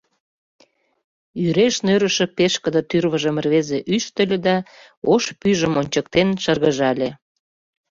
— Йӱреш нӧрышӧ пешкыде тӱрвыжым рвезе ӱштыльӧ да, ош пӱйжым ончыктен, шыргыжале.